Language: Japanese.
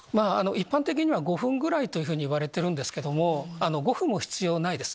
一般的には５分ぐらいといわれてるんですけども５分も必要ないです